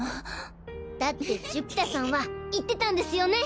だって寿飛太さんは言ってたんですよね。